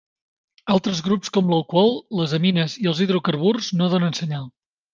Altres grups com l'alcohol, les amines i els hidrocarburs no donen senyal.